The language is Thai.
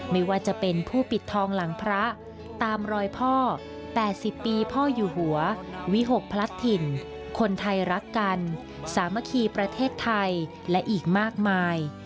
ไม่ว่าจะเป็นผู้ปิดทองหลังพระตามรอยพ่อ๘๐ปีพ่ออยู่หัววิหกพลัดถิ่นคนไทยรักกันสามัคคีประเทศไทยและอีกมากมาย